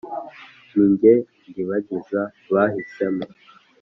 ni jye ndibagiza bahisemo.